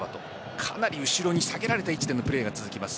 かなり後ろに下げられた位置でのプレーが続きます。